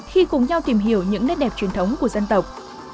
đi cùng nhau tìm hiểu những nơi đẹp truyền thống của dân tộc